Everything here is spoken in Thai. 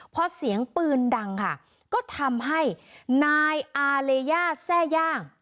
พอเสียงปืนดังค่ะก็ทำให้นายอาเลย่าแทร่ย่าง